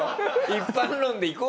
一般論でいこうよ